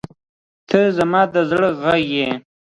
• ته زما د زړه غږ یې.